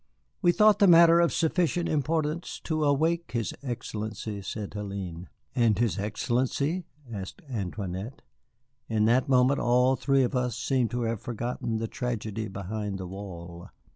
"We thought the matter of sufficient importance to awake his Excellency," said Hélène. "And his Excellency?" asked Antoinette. In that moment all three of us seemed to have forgotten the tragedy behind the wall.